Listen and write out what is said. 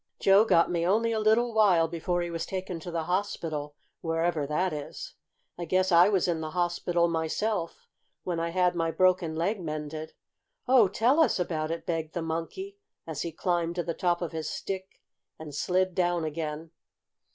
"Joe got me only a little while before he was taken to the hospital, wherever that is. I guess I was in the hospital myself, when I had my broken leg mended." "Oh, tell us about it!" begged the Monkey, as he climbed to the top of his stick and slid down again.